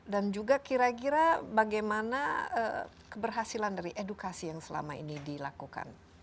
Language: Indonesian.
dan juga kira kira bagaimana keberhasilan dari edukasi yang selama ini dilakukan